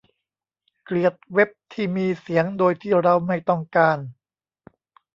เกลียดเว็บที่มีเสียงโดยที่เราไม่ต้องการ